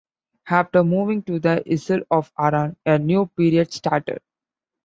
After moving to the Isle of Arran, a new period started.